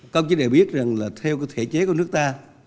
công chí đề biết rằng là theo thể chế của nước ta